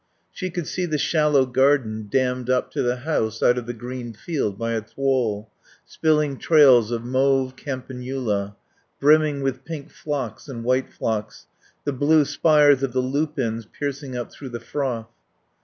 She could see the shallow garden dammed up to the house out of the green field by its wall, spilling trails of mauve campanula, brimming with pink phlox and white phlox, the blue spires of the lupins piercing up through the froth.